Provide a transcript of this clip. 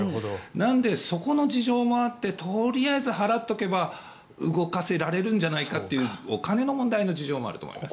なので、そこの事情もあってとりあえず払っておけば動かせられるんじゃないかというお金の事情もあると思います。